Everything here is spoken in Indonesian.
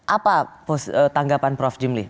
apa tanggapan prof jimli